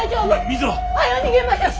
水は？はよ逃げましょう！